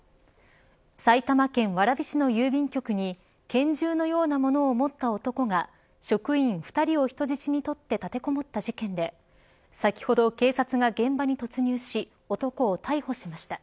埼玉県蕨市の郵便局に拳銃のようなものを持った男が職員２人を人質にとって立てこもった事件で先ほど、警察が現場に突入し男を逮捕しました。